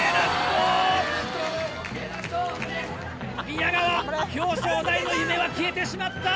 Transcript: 宮川表彰台の夢は消えてしまった。